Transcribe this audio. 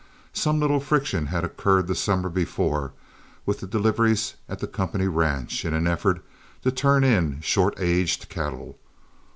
Some little friction had occurred the summer before with the deliveries at the company ranch in an effort to turn in short aged cattle.